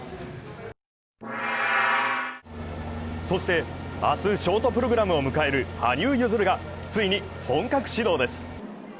そして、明日ショートプログラムを迎える、羽生結弦がついに本格始動です。